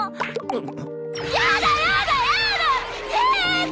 あっ。